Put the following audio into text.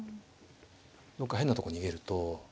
どっか変なとこ逃げると。